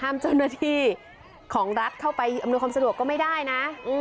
เจ้าหน้าที่ของรัฐเข้าไปอำนวยความสะดวกก็ไม่ได้นะ